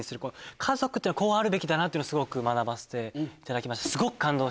家族ってのはこうあるべきだなとすごく学ばせていただきました。